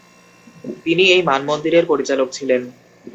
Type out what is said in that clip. তিনি এই মানমন্দিরের পরিচালক ছিলেন।